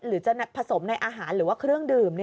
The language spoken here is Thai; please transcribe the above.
หรือจะผสมในอาหารหรือว่าเครื่องดื่ม